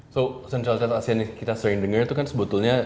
so central asian yang kita sering dengar itu kan sebetulnya